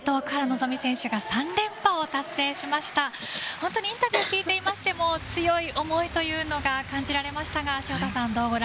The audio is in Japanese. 本当にインタビュー聞いていても強い思いというのが感じられましたが潮田さん